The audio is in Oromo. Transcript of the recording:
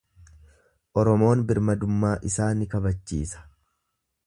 Oromoon birmadummaa isaa ni kabachiisa.